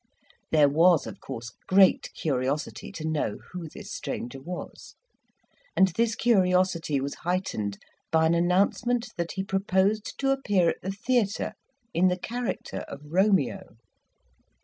There was of course great curiosity to know who this stranger was; and this curiosity was heightened by an announcement that he proposed to appear at the theatre in the character of Romeo.